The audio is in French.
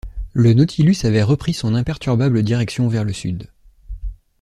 Le Nautilus avait repris son imperturbable direction vers le sud.